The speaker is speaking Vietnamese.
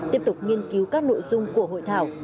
tiếp tục nghiên cứu các nội dung của hội thảo